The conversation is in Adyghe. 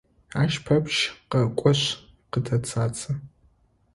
Ащ пэпчъ къэкӏошъ къытэцӏацӏэ.